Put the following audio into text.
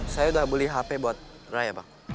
saya udah beli hp buat raya bang